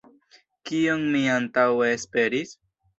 Kion mi antaŭe esperis?